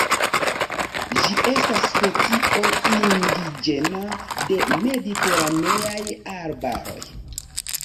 Ĝi estas specio indiĝena de mediteraneaj arbaroj.